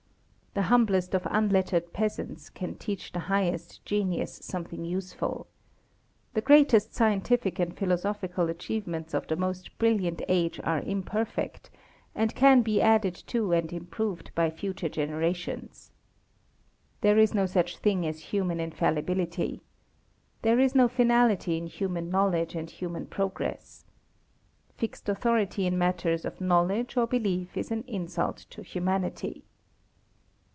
The humblest of unlettered peasants can teach the highest genius something useful. The greatest scientific and philosophical achievements of the most brilliant age are imperfect, and can be added to and improved by future generations. There is no such thing as human infallibility. There is no finality in human knowledge and human progress. Fixed authority in matters of knowledge or belief is an insult to humanity.